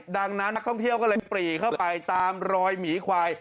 ดังนั้นพ่อการเที่ยวก็เลยมันปลี่เข้าไปตามรอยหมีขวาย